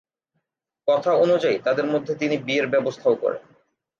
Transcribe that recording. কথা অনুযায়ী তাদের মধ্যে তিনি বিয়ের ব্যবস্থাও করেন।